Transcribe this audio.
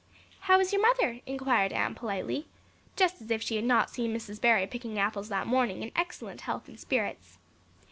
"How is your mother?" inquired Anne politely, just as if she had not seen Mrs. Barry picking apples that morning in excellent health and spirits.